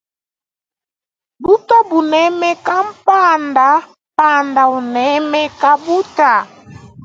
Buta bunemeka panda panda unemeka buta.